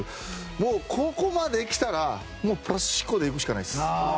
もう、ここまで来たらプラス思考で行くしかないです。